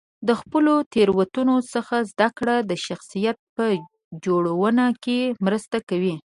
د خپلو تېروتنو څخه زده کړه د شخصیت په جوړونه کې مرسته کوي.